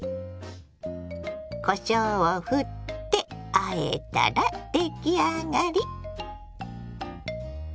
こしょうをふってあえたら出来上がり。